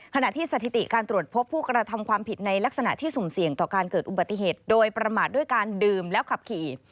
ขณะที่สถิติการตรวจพบผู้กระทำความผิดในลักษณะที่สุ่มเสี่ยงต่อการเกิดอุบัติเหตุโดยประมาทด้วยการดื่มแล้วขับขี่